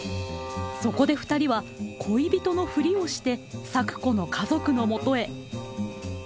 そこでふたりは恋人のフリをして咲子の家族のもとへ。